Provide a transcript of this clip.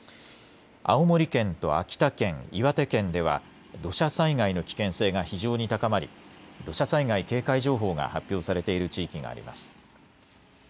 青森県と秋田県、岩手県では土砂災害の危険性が非常に高まり、土砂災害警戒情報が発表されている地域があります。